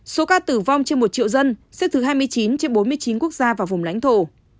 số ca tử vong trên một triệu dân xếp thứ hai mươi chín trên bốn mươi chín quốc gia và vùng lãnh thổ